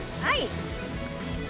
はい。